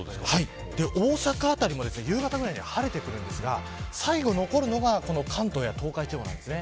大阪辺りも夕方あたりまで晴れてくるんですが最後、残るのが関東や東海地方です。